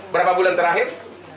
berapa bulan terakhir